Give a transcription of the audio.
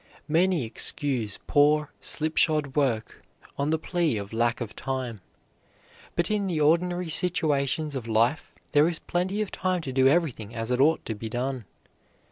Many excuse poor, slipshod work on the plea of lack of time. But in the ordinary situations of life there is plenty of time to do everything as it ought to be done.